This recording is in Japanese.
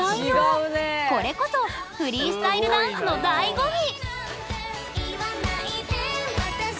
これこそフリースタイルダンスのだいご味！